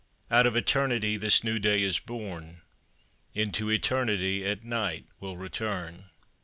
Out of Eternity This new day is born; Into Eternity, At night will return.